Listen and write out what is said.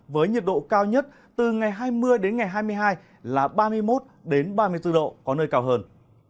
với nhiệt độ cao nhất từ ngày hai mươi đến ngày hai mươi hai là ba mươi một ba mươi bốn độ có nơi cao hơn